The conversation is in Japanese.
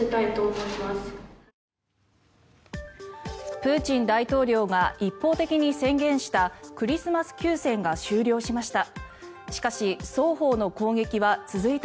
プーチン大統領が一方的に宣言したクリスマス休戦が終了しました。